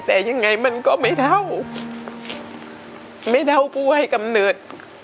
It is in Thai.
แต่ยังไงมันก็ไม่เท่าไม่เท่าผู้ให้กำเนิด